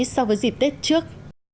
so với dịp tết trước